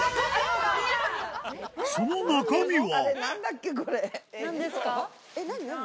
その中身は。